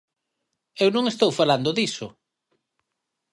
Eu non estou falando diso.